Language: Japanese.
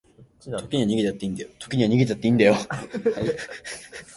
時には逃げたっていいんだよ